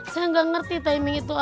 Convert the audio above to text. saya gak ngerti timing itu aja